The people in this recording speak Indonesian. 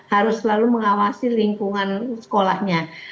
harus selalu mengawasi lingkungan sekolahnya